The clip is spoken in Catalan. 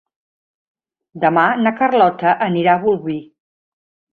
Demà na Carlota anirà a Bolvir.